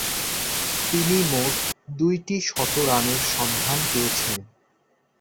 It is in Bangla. তিনি মোট দুইটি শতরানের সন্ধান পেয়েছেন।